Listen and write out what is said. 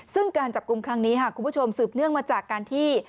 ซึ่งการจับกลุ่มครั้งนี้ค่ะคุณผู้ชมสืบเนื่องมาจากการที่